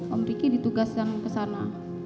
om riki ditugaskan ke sana